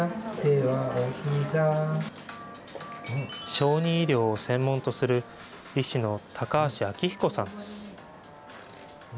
小児医療を専門とする医師の高橋昭彦さんです。